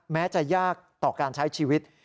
แม้จะยากต่อการใช้ชีวิต